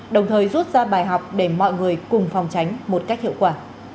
đồng thời rút ra bài học để mọi người cùng phòng tránh một cách hiệu quả